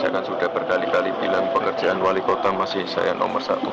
saya kan sudah berkali kali bilang pekerjaan wali kota masih saya nomor satu